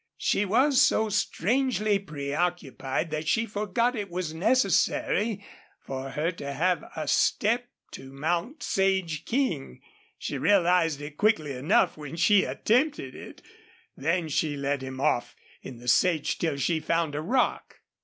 She was so strangely preoccupied that she forgot it was necessary for her to have a step to mount Sage King. She realized it quickly enough when she attempted it. Then she led him off in the sage till she found a rock.